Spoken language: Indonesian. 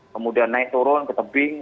kemudian naik turun ke tebing